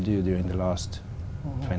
đã chọn một lựa chọn